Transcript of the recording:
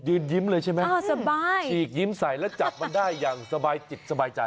ยิ้มเลยใช่ไหมอ๋อสบายฉีกยิ้มใส่แล้วจับมันได้อย่างสบายจิตสบายใจ